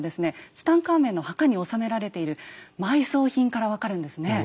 ツタンカーメンの墓に納められている埋葬品から分かるんですね。